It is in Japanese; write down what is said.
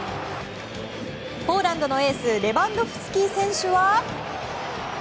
ポーランドのエースレバンドフスキ選手は。